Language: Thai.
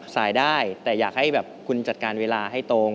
ได้แต่อยากให้แบบคุณจัดการเวลาให้ตรง